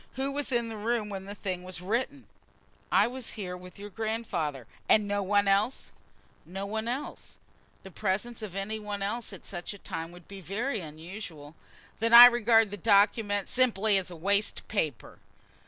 Who was in the room when the thing was written?" "I was here with your grandfather." "And no one else?" "No one else. The presence of any one else at such a time would be very unusual." "Then I regard the document simply as waste paper."